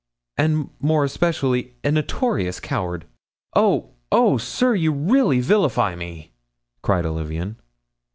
"And, more especially, a notorious coward." "Oh, oh! sir! you really vilify me!" cried Olivain.